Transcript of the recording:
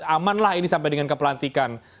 aman lah ini sampai dengan kepelantikan